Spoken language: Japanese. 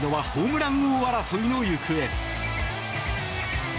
気になるのはホームラン王争いの行方。